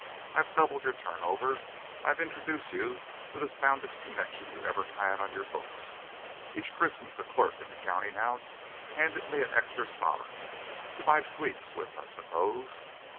I've doubled your turnover; I've introduced you to the soundest connection you ever had on your books. Each Christmas a clerk in the counting house has handed me an extra sovereign to buy sweets with, I suppose!